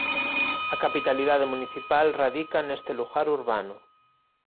A capitalidade municipal radica neste lugar urbano.